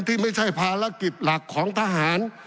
ที่ไม่ใช่ภารกิจหลักของทหาร